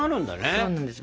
そうなんです。